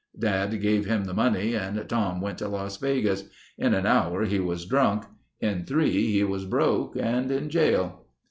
Dad gave him the money and Tom went to Las Vegas. In an hour he was drunk. In three he was broke and in jail.